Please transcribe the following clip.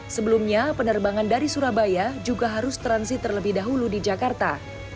sebelumnya penerbangan dari surabaya juga harus transit terlebih dahulu di jakarta